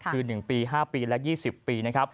คือ๑ปี๕ปีและ๒๐ปี